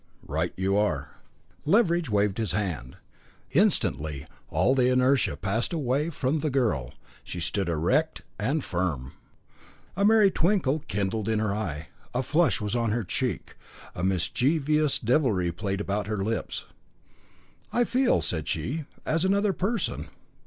"Right you are." Leveridge waved his hand. Instantly all the inertia passed away from the girl, she stood erect and firm. A merry twinkle kindled in her eye, a flush was on her cheek, and mischievous devilry played about her lips. "I feel," said she, "as another person."